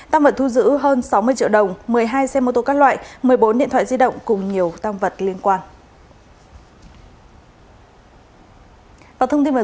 tăng vật thu giữ hơn sáu mươi triệu đồng một mươi hai xe mô tô các loại một mươi bốn điện thoại di động cùng nhiều tăng vật liên quan